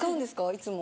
いつも。